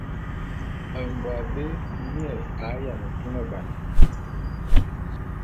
Mbo abé nye a yiane tuneban.